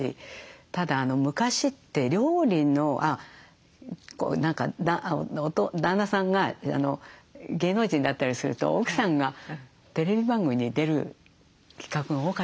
ただ昔って料理の旦那さんが芸能人だったりすると奥さんがテレビ番組に出る企画が多かったんですよ昔。